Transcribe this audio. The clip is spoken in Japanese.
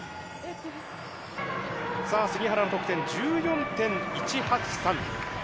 さあ、杉原の得点、１４．１８３。